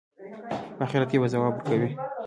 په آخرت کې به ځواب ورکوي.